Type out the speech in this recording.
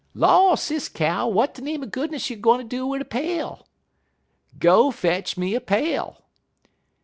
"'Law, Sis Cow! w'at de name er goodness you gwine do wid a pail?' "'Go fetch me a pail!'